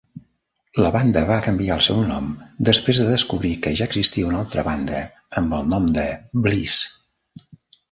La banda va canviar el seu nom després de descobrir que ja existia un altra banda amb el nom de "Blisse".